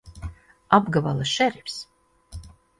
Apgabala šerifs!